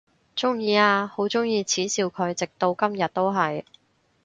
鍾意啊，好鍾意恥笑佢，直到今日都係！